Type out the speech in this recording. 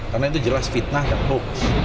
karena itu jelas fitnah dan fokus